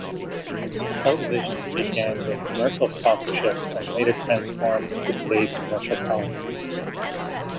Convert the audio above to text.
Television began with commercial sponsorship and later transformed to paid commercial time.